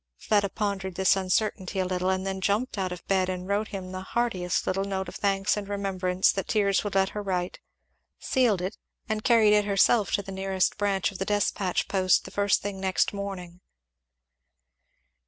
Fleda pondered this uncertainty a little, and then jumped out of bed and wrote him the heartiest little note of thanks and remembrance that tears would let her write; sealed it, and carried it herself to the nearest branch of the despatch post the first thing next morning.